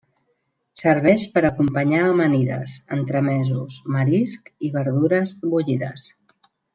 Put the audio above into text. Serveix per acompanyar amanides, entremesos, marisc i verdures bullides.